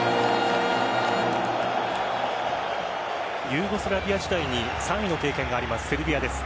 ユーゴスラビア時代に３位の経験があるセルビアです。